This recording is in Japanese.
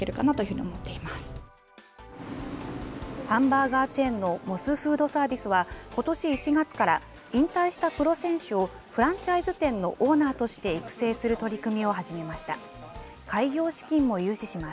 ハンバーガーチェーンのモスフードサービスは、ことし１月から引退したプロ選手をフランチャイズ店のオーナーとして育成する取り組みを始めました。